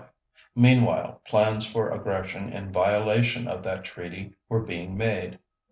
Meanwhile, plans for aggression in violation of that treaty were being made.